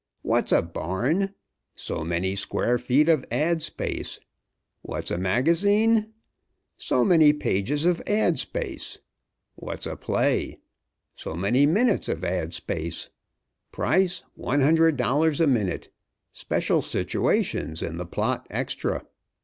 What's a barn? So many square feet of ad. space. What's a magazine? So many pages of ad. space. What's a play? So many minutes of ad. space. Price, one hundred dollars a minute. Special situations in the plot extra."